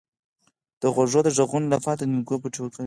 د غوږ د غږونو لپاره د ګینکګو بوټی وکاروئ